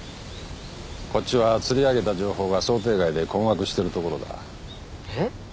こっちは釣り上げた情報が想定外で困惑してるところだえっ？